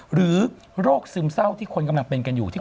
โรคซึมเศร้าที่คนกำลังเป็นกันอยู่ที่